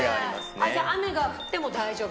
じゃあ雨が降っても大丈夫。